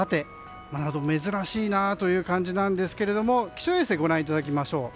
珍しいなという感じですが気象衛星ご覧いただきましょう。